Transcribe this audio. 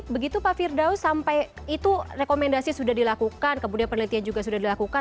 begitu pak firdaus sampai itu rekomendasi sudah dilakukan kemudian penelitian juga sudah dilakukan